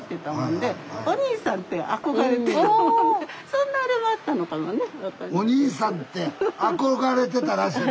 そんなあれもあったのかもね。